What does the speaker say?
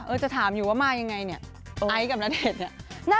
จะถามอยู่ว่ามายังไงเนี่ยไอซ์กับณเดชน์เนี่ย